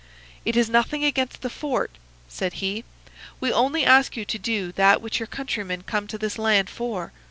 "'It is nothing against the fort,' said he. 'We only ask you to do that which your countrymen come to this land for.